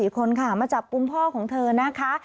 ๔คนค่ะมาจับกุมพ่อของเธอนะคะ